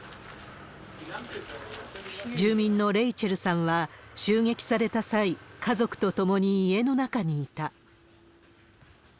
住民のレイチェルさんは、襲撃された際、家族と共に家の中にいた。